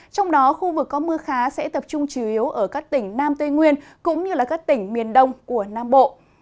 trong đó khu vực có mưa khá sẽ tập trung chủ yếu ở các tỉnh nam tây nguyên cũng như các tỉnh miền đông của nam bộ